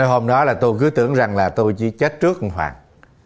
hôm đó là tôi cứ tưởng rằng là tôi chỉ chết trước ông hoàng